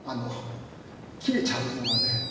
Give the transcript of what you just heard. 切れちゃうのがね。